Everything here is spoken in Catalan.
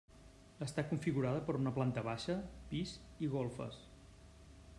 Està configurada per una planta baixa, pis i golfes.